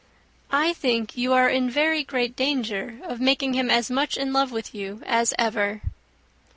"I think you are in very great danger of making him as much in love with you as ever."